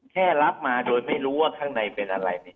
แค่รับมาโดยไม่รู้ว่าข้างในเป็นอะไร